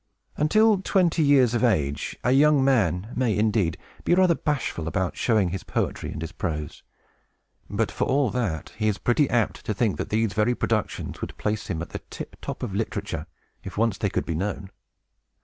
Until twenty years of age, a young man may, indeed, be rather bashful about showing his poetry and his prose; but, for all that, he is pretty apt to think that these very productions would place him at the tiptop of literature, if once they could be known.